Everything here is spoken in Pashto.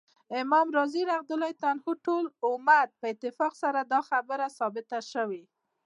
امام رازی رحمه الله : ټول امت په اتفاق سره دا خبره ثابته سوی